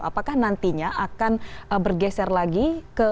apakah nantinya akan bergeser lagi ke